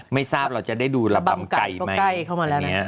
ไม่ทราบเราจะได้ดูระบำไก่ไหม